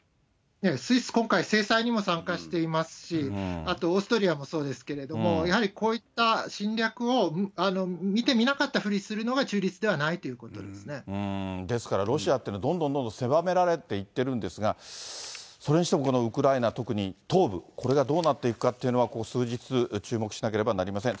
スイス、今回、制裁にも参加していますし、あとオーストリアもそうですけれども、やはりこういった侵略を見て見なかったふりするのが中立ではないですから、ロシアっていうのは、どんどんどんどん狭められていってるんですが、それにしても、このウクライナ、特に東部、これがどうなっていくかっていうのは、ここ数日、注目しなければなりません。